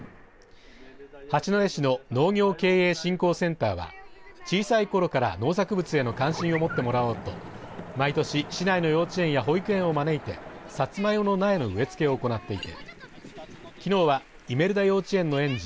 八戸市の農業経営振興センターは小さいころから農作物への関心を持ってもらおうと毎年、市内の幼稚園や保育園を招いてサツマイモの苗の植え付けを行っていてきのうはイメルダ幼稚園の園児